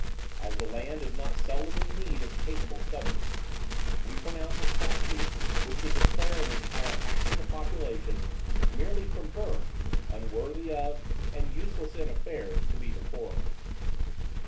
As the land is not seldom in need of capable subjects, we pronounce a statute which should declare an entire half of the inhabitants, merely from birth, unworthy of and useless in affairs, to be deplorable.